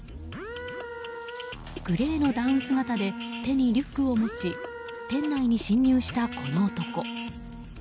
グレーのダウン姿で手にリュックを持ち店内に侵入した、この男。